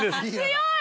強い。